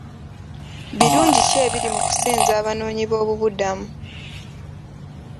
Birungi ki ebiri mu kusenza abanoonyiboobubudamu?